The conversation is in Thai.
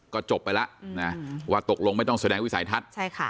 ก็จบไปแล้วนะว่าตกลงไม่ต้องแสดงวิสัยทัศน์